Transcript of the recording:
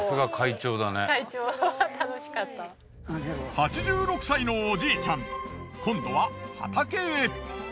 ８６歳のおじいちゃん今度は畑へ。